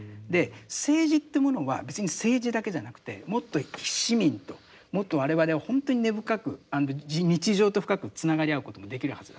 政治というものは別に政治だけじゃなくてもっと市民ともっと我々はほんとに根深く日常と深くつながり合うこともできるはずだ。